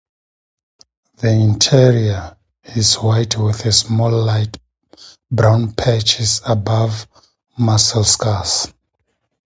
The interior is white with small light brown patches above muscle scars.